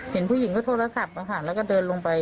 เห็นผู้หญิงก็โทรแล้วขับแล้วก็เดินลงไป